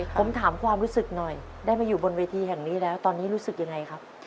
ผมถามความรู้สึกหน่อยได้มาอยู่บนเวทีแห่งนี้แล้วตอนนี้รู้สึกยังไงครับ